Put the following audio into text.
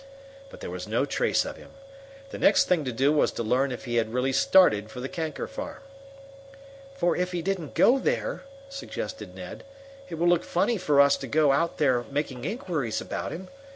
But there was no trace of him. The next thing to do was to learn if he had really started for the Kanker farm. "For if he didn't go there," suggested Ned, "it will look funny for us to go out there making inquiries about him.